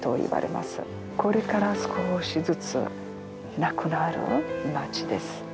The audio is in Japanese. これから少しずつなくなる町です。